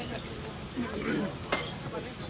kalau mendua kematan kan